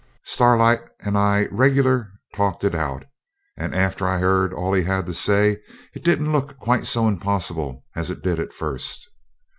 Starlight and I regular talked it out, and, after I'd heard all he had to say, it didn't look quite so impossible as it did at first.